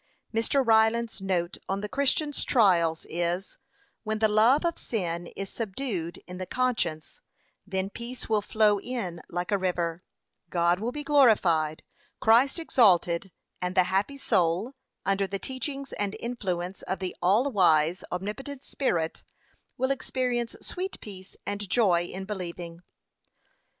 p. 546, 547. Mr. Ryland's note on the Christian's trials is, 'when the love of sin is subdued in the conscience, then peace will flow in like a river, God will be glorified, Christ exalted; and the happy soul, under the teachings and influence of the all wise, omnipotent Spirit, will experience sweet peace and joy in believing.'